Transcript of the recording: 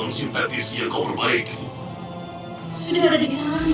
untuk mu politik ini